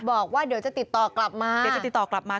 บอกว่าเดี๋ยวจะติดต่อกลับมา